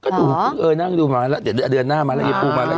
ก็ดูเอ้อนางก็ดูมาแล้วเดือนหน้าเย็นปูมาแล้ว